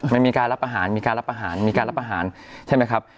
มันมีการรับอาหารมีการรับอาหารมีการรับอาหารใช่ไหมครับ